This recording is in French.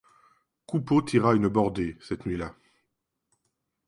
Coupeau tira une bordée, cette nuit-là.